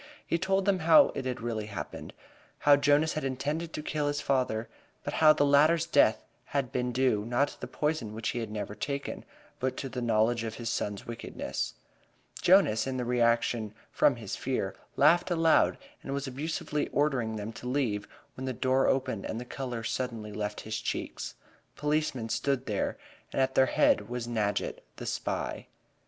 He told them how it had really happened: How Jonas had intended to kill his father but how the latter's death had been due, not to the poison which he had never taken, but to the knowledge of his son's wickedness. Jonas, in the reaction from his fear, laughed aloud, and was abusively ordering them to leave, when the door opened and the color suddenly left his cheeks. Policemen stood there, and at their head was Nadgett, the spy.